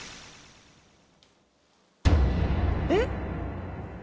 えっ？